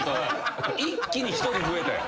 一気に１人増えたやん。